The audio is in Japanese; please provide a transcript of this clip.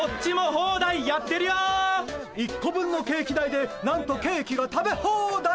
１個分のケーキ代でなんとケーキが食べホーダイ！